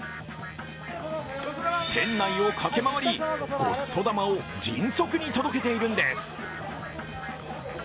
店内を駆け回り、ごっそ玉を迅速に届けているんです。